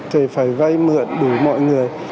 thì phải vai mượn đủ mọi người